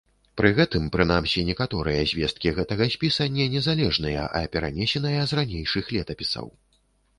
Пры гэтым прынамсі некаторыя звесткі гэтага спіса не незалежныя, а перанесеныя з ранейшых летапісаў.